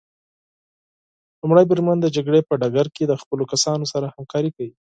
لومړی بریدمن د جګړې په ډګر کې د خپلو کسانو سره همکاري کوي.